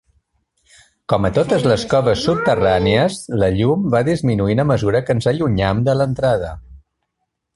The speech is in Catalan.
Com a totes les coves subterrànies, la llum va disminuint a mesura que ens allunyem de l'entrada.